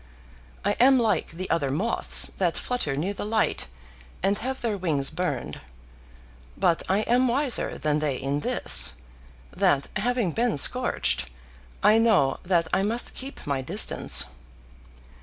I am like the other moths that flutter near the light and have their wings burned. But I am wiser than they in this, that having been scorched, I know that I must keep my distance.